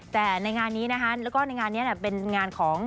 แต่ในงานนี้นะคะแล้วก็ในงานนี้เป็นงานของ